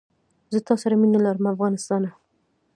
زه له تاسره مینه لرم افغانستانه